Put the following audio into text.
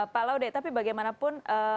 pak laude tapi bagaimanapun